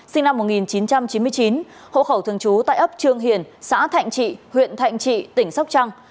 sinh năm một nghìn chín trăm chín mươi chín hộ khẩu thường trú tại ấp trương hiền xã thạnh trị huyện thạnh trị tỉnh sóc trăng